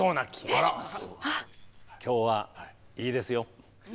今日はいいですよ。